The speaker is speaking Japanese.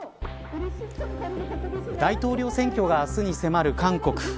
大統領選挙が明日に迫る韓国。